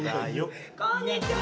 こんにちは！